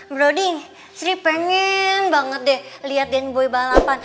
brody sri pengen banget deh lihat den boy balapan